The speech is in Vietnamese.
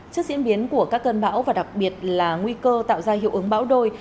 trước diễn biến của các cơn bão và đặc biệt là nguy cơ tạo ra hiệu ứng bão đôi